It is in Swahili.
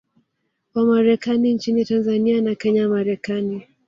wa Marekani nchini Tanzania na Kenya Marekani